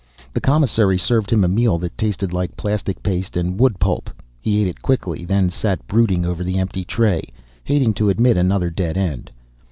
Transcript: The commissary served him a meal that tasted like plastic paste and wood pulp. He ate it quickly, then sat brooding over the empty tray, hating to admit to another dead end.